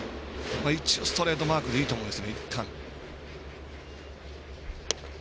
一応、ストレートマークでいいと思います、いったん。